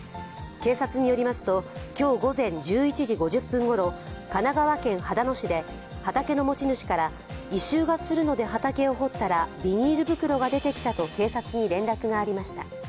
警察によりますと、今日午前１１時５０分ごろ、神奈川県秦野市で畑の持ち主から異臭がするので畑を掘ったらビニール袋が出てきたと警察に連絡がありました。